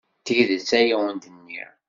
D tidet ay awen-d-nniɣ.